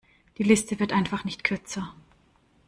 Die Liste wird einfach nicht kürzer.